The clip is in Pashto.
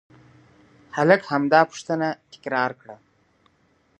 هلک همدا پوښتنه تکرار کړه.